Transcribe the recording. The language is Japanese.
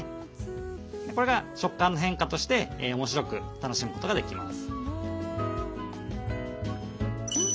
これが食感の変化として面白く楽しむことができます。